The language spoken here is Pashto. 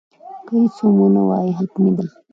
که هیڅ هم ونه وایې حتمي ده.